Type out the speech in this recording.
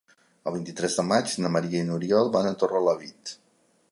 El vint-i-tres de maig na Maria i n'Oriol van a Torrelavit.